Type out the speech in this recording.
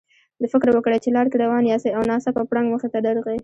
فکر وکړئ چې لار کې روان یاستئ او ناڅاپه پړانګ مخې ته درغی.